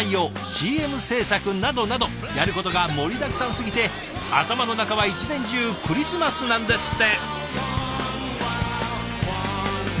ＣＭ制作などなどやることが盛りだくさんすぎて頭の中は一年中クリスマスなんですって！